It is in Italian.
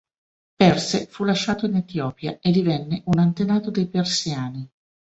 Perse fu lasciato in Etiopia e divenne un antenato dei Persiani.